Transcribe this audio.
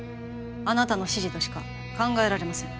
あなたの指示としか考えられません